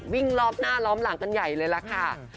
วิ่งรอบหน้ารอบหลังกันใหญ่เลยละค่ะ